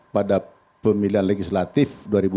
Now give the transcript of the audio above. pada pemilihan legislatif